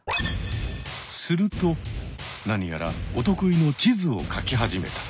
するとなにやらお得意の地図をかき始めた。